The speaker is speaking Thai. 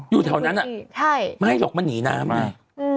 อยู่แถวนั้นไม่หรอกมันหนีน้ำไง